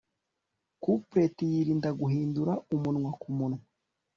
Couplet yirinda guhindura umunwa kumunwa